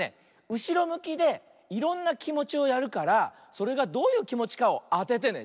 うしろむきでいろんなきもちをやるからそれがどういうきもちかをあててね。